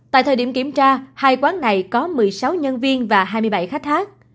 tại thời điểm kiểm tra hai quán này có một mươi sáu nhân viên và hai mươi bảy khách khác